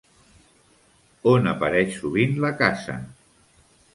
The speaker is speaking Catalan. On apareix sovint la casa?